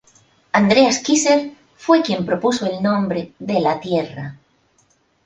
Andreas Kisser fue quien propuso el nombre "De La Tierra".